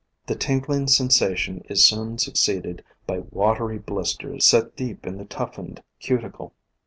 The tingling sensation is soon succeeded by watery blisters set deep in the tough ened cuticle.